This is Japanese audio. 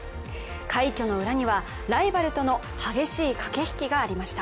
快挙の裏には、ライバルとの激しい駆け引きがありました。